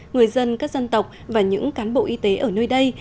người dân các dân tộc và những cán bộ y tế ở nơi đây